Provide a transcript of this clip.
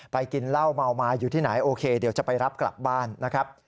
กินเหล้าเมามาอยู่ที่ไหนโอเคเดี๋ยวจะไปรับกลับบ้านนะครับ